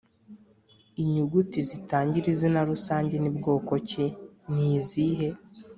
inyuguti zitangira izina rusange ni bwoko ki? ni izihe?